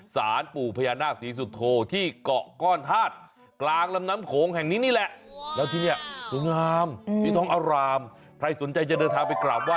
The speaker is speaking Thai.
สานปู่พญานาคสีสุโธที่เกาะก้อนฮาดกลางลำน้ำโขงแห่งนี้นี่แหละ